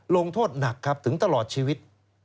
ลงโทษหนักครับถึงตลอดชีวิต